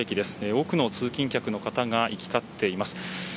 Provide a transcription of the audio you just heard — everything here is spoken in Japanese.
多くの通勤客の方が行き交っています。